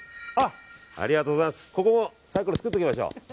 これもサイコロ作っておきましょう。